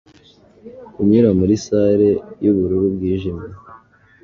Kunyura muri salle yubururu bwijimye